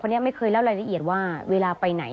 เพื่อที่จะได้หายป่วยทันวันที่เขาชีจันทร์จังหวัดชนบุรี